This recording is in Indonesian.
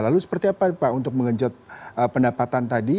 lalu seperti apa pak untuk mengenjot pendapatan tadi